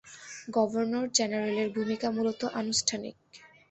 Governor জেনারেলের ভূমিকা মূলত আনুষ্ঠানিক।